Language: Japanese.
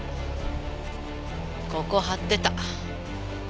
ここ張ってた。